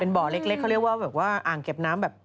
เป็นบ่อเล็กเขาเรียกว่าอ่างเก็บน้ำแบบ